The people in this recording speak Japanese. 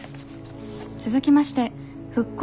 続きまして復興